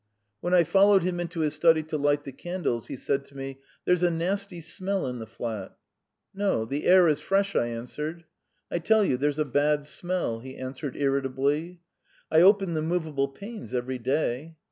When I followed him into his study to light the candles, he said to me: "There's a nasty smell in the flat." "No, the air is fresh," I answered. "I tell you, there's a bad smell," he answered irritably. "I open the movable panes every day."